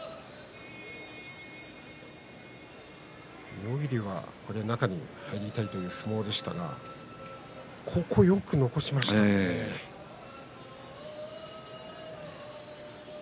妙義龍は中に入りたいという相撲でしたがよく残しましたね、金峰山。